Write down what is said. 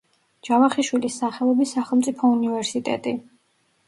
ჯავახიშვილის სახელობის სახელმწიფო უნივერსიტეტი.